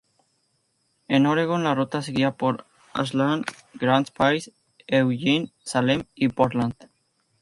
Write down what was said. En Oregón, la ruta seguía por Ashland, Grants Pass, Eugene, Salem y Portland.